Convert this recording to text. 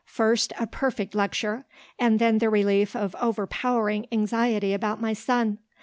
"First a perfect lecture and then the relief of overpowering anxiety about my son.